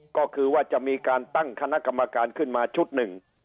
ก็คือว่าจะมีการตั้งคณะกรรมการขึ้นมาชุดหนึ่ง